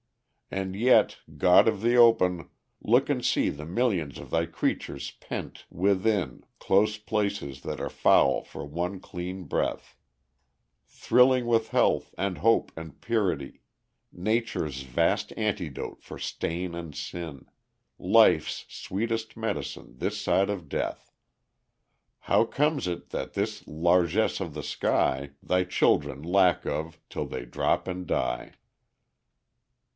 And yet God of the open! look and see The millions of thy creatures pent within Close places that are foul for one clean breath, Thrilling with health, and hope, and purity; Nature's vast antidote for stain and sin, Life's sweetest medicine this side of death! How comes it that this largess of the sky Thy children lack of, till they droop and die?